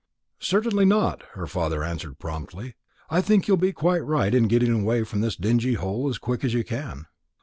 "Certainly not," her father answered promptly. "I think you will be quite right in getting away from this dingy hole as quick as you can."